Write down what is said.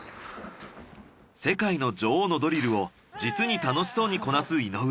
世界の女王のドリルを実に楽しそうにこなす井上。